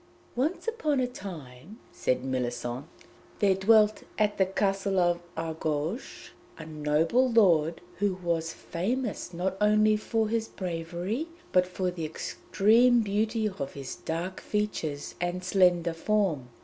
"Once upon a time," said Méllisande, "there dwelt at the Castle of Argouges a noble lord who was famous not only for his bravery, but for the extreme beauty of his dark features and slender form.